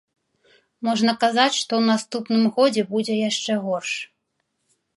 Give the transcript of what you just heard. Можна казаць, што ў наступным годзе будзе яшчэ горш.